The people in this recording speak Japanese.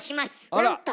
なんと！